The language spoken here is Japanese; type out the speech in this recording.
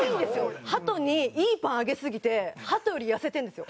ハトにいいパンあげすぎてハトより痩せてるんですよ。